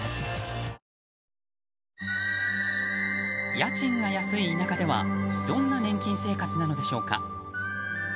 家賃が安い田舎ではどんな年金生活なのでしょうか？